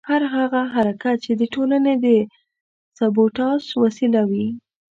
هر هغه حرکت چې د ټولنې د سبوټاژ وسیله وي.